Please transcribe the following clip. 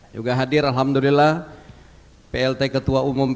juga hadir alhamdulillah plt ketua umum p tiga